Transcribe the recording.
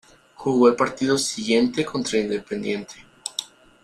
Jugó el partido siguiente contra Independiente.